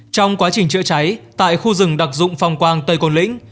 trong quá trình chữa cháy tại khu rừng đặc dụng phong quang tây côn lĩnh